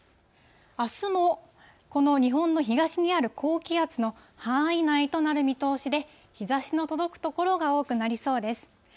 あすもこの日本の東にある高気圧の範囲内となる見通しで、日ざしの届く所が多くなりそうです。